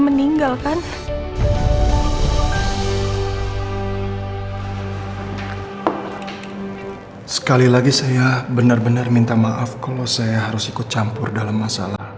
meninggalkan sekali lagi saya benar benar minta maaf kalau saya harus ikut campur dalam masalah